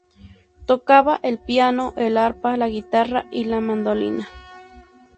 Tocaba el piano, el arpa, la guitarra y la mandolina.